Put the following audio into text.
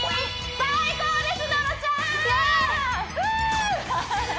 最高です！